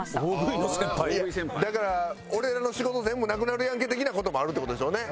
だから「俺らの仕事全部なくなるやんけ」的な事もあるって事でしょうね。